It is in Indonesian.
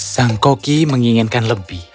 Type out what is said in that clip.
sang koki menginginkan lebih